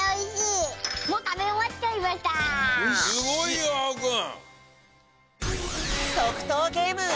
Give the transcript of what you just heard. すごいよあおくん！